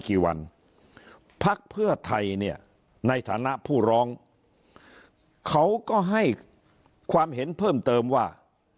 กี่วันพักเพื่อไทยเนี่ยในฐานะผู้ร้องเขาก็ให้ความเห็นเพิ่มเติมว่า